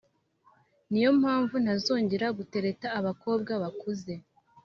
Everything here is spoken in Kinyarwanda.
niyo mpamvu ntazongera kutereta abakobwa bakuze